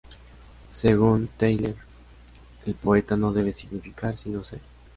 Según Teillier, el poeta no debe significar sino ser.